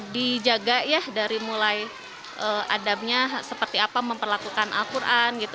dijaga ya dari mulai adabnya seperti apa memperlakukan al quran gitu